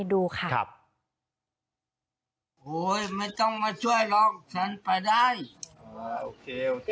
ดูค่ะครับโอ้ยไม่ต้องมาช่วยหรอกฉันไปได้อ่าโอเคโอเค